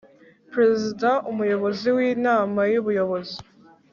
prezida umuyobozi w inama y ubuyobozi